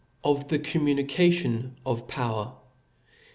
Of the Communication of Power.